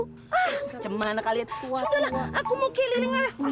bagaimana kalian sudahlah aku mau kilir